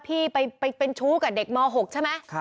พี่ไปเป็นชู้กับเด็กม๖ใช่ไหม